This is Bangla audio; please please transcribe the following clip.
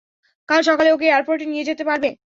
কাল সকালে ওকে এয়ারপোর্টে নিয়ে যেতে পারবে?